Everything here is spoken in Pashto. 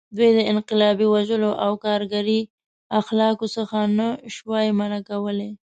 دوی د انقلابي وژلو او کارګري اخلاقو څخه نه شوای منع کولی.